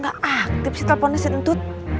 kok gak aktif sih teleponnya si tentu